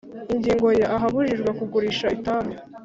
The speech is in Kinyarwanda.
Ingingo ya ahabujijwe kugurisha itabi